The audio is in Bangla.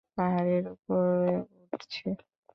পাহাড়ের ওপরে উঠছে।